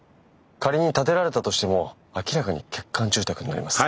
仮に建てられたとしても明らかに欠陥住宅になります。